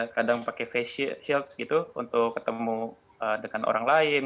kadang pakai face shields gitu untuk ketemu dengan orang lain